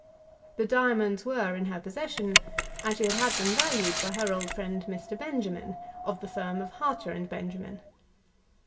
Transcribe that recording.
The diamonds were in her possession, and she had had them valued by her old friend Mr. Benjamin of the firm of Harter and Benjamin.